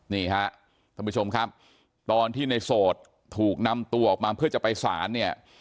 นี่ฮะท่านผู้ชมครับตอนที่ในโสดถูกนำตัวออกมาเพื่อจะไปสารเนี่ย